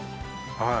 はい。